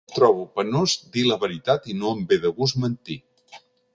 Trobo penós dir la veritat i no em ve de gust mentir.